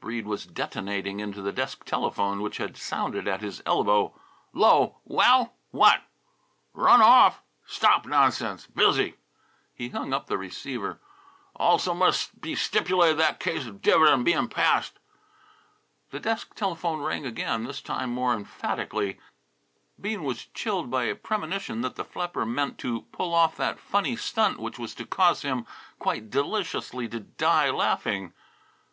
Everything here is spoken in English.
Breede was detonating into the desk telephone which had sounded at his elbow. "'Lo! Well? What? Run off! Stop nonsense! Busy!" He hung up the receiver. " also mus' be stipulated that case of div'dend bein' passed " The desk telephone again rang, this time more emphatically. Bean was chilled by a premonition that the flapper meant to pull off that funny stunt which was to cause him quite deliciously to die laughing.